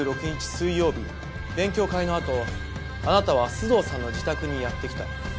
水曜日勉強会のあとあなたは須藤さんの自宅にやって来た。